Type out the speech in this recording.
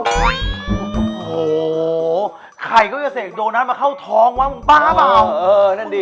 โอ้โหใครก็จะเสกโดนัทมาเข้าท้องวะบ้าป่าวเออเออนั่นดี